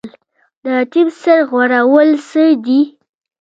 د یتیم سر غوړول څه دي؟